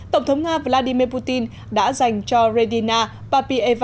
tổng thống nga vladimir putin đã dành cho redina